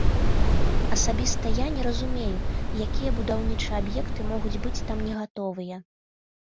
Асабіста я не разумею, якія будаўнічыя аб'екты могуць быць там не гатовыя.